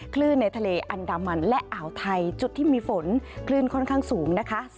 คลื่นในทะเลอันดามันและอ่าวไทยจุดที่มีฝนคลื่นค่อนข้างสูงนะคะ